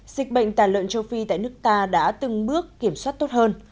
dịch bệnh tàn lợn châu phi tại nước ta đã từng bước kiểm soát tốt hơn